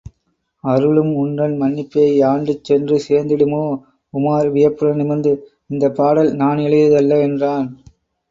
அருளும் உன்றன் மன்னிப்பே யாண்டுச் சென்று சேர்ந்திடுமோ? உமார் வியப்புடன் நிமிர்ந்து, இந்தப் பாடல் நான் எழுதியதல்ல என்றான்.